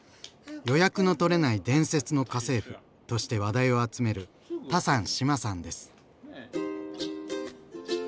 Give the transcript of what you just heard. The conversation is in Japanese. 「予約のとれない伝説の家政婦」として話題を集めるタサン志麻さんです。